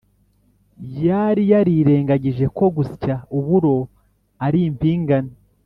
yari yarirengagije ko gusya uburo ari impingane